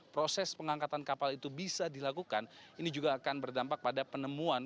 proses pengangkatan kapal itu bisa dilakukan ini juga akan berdampak pada penemuan